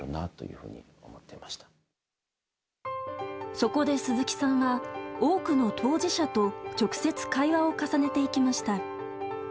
そこで鈴木さんは多くの当事者と直接会話を重ねていきました。